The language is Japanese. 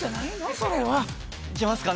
それは。いけますかね。